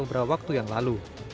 beberapa waktu yang lalu